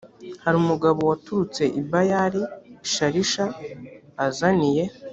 hari umugabo waturutse i bayali shalisha azaniye